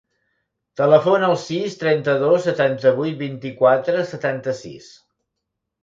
Telefona al sis, trenta-dos, setanta-vuit, vint-i-quatre, setanta-sis.